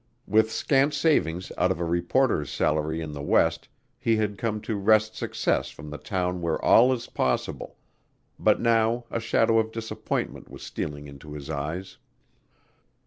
With scant savings out of a reporter's salary in the West he had come to wrest success from the town where all is possible, but now a shadow of disappointment was stealing into his eyes.